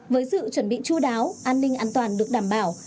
với sự chuẩn bị chú đáo an ninh an toàn được đảm bảo